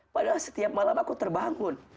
padahal setiap malam aku terbangun